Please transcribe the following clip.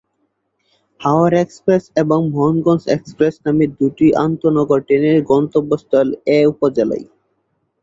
হাওর express এবং Mohanganj express নামে দুটি আন্তঃনগর ট্রেনের গন্তব্যস্থল এ উপজেলা।